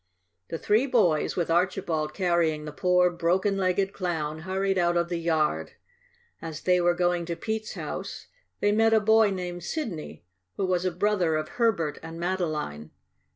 The three boys, with Archibald carrying the poor, broken legged Clown, hurried out of the yard. As they were going to Pete's house they met a boy named Sidney, who was a brother of Herbert and Madeline.